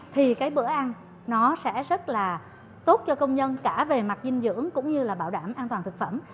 thì cái bữa ăn nó sẽ rất là tốt cho công nhân cả về mặt dinh dưỡng cũng như là bảo đảm an toàn thực phẩm